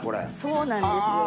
そうなんですよ